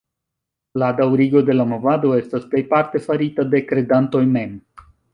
La daŭrigo de la movado estas plejparte farita de kredantoj mem.